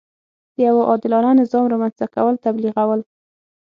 د یوه عادلانه نظام رامنځته کول تبلیغول.